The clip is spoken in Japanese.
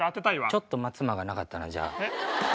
ちょっと待つ間がなかったなじゃあ。